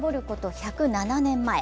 １０７年前。